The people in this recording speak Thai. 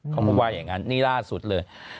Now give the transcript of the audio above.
เขาก็ว่าอย่างนั้นนี่ล่าสุดเลย